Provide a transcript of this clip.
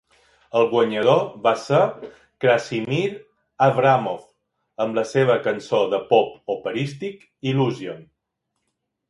El guanyador va ser Krassimir Avramov amb la seva cançó de pop operístic Illusion.